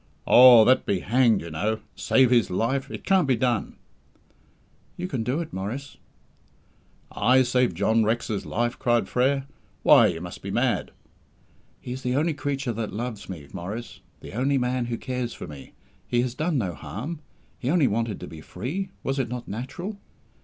"Oh, that be hanged, you know! Save his life! It can't be done." "You can do it, Maurice." "I save John Rex's life?" cried Frere. "Why, you must be mad!" "He is the only creature that loves me, Maurice the only man who cares for me. He has done no harm. He only wanted to be free was it not natural?